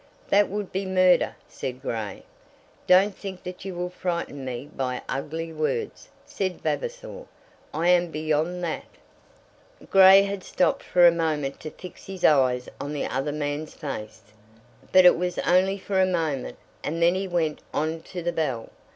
"That would be murder," said Grey. "Don't think that you will frighten me by ugly words," said Vavasor. "I am beyond that." Grey had stopped for a moment to fix his eyes on the other man's face; but it was only for a moment, and then he went on to the bell.